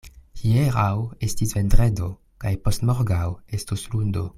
Hieraŭ estis vendredo, kaj post-morgaŭ estos lundo.